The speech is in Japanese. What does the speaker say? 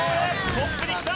トップにきた！